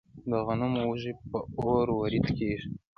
د غنمو وږي په اور وریت کیږي.